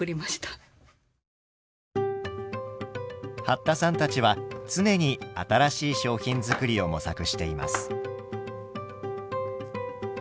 八田さんたちは常に新しい商品作りを模索しています。